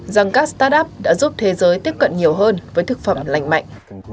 rằng các start up đã giúp thế giới tiếp cận nhiều hơn với thực phẩm lành mạnh